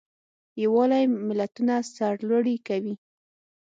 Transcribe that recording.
یووالی ملتونه سرلوړي کوي.